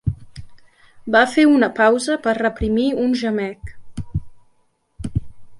Va fer una pausa per reprimir un gemec.